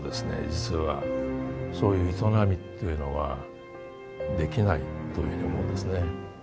実はそういう営みというのはできないというふうに思うんですね。